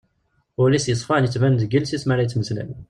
Ul-is yesfan yettban-d deg yiles-is mi ara yettmeslay.